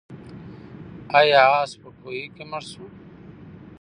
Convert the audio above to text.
آیا آس په کوهي کې مړ شو؟